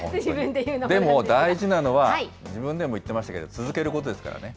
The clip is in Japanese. でも大事なのは、自分でも言ってましたけど、続けることですからね。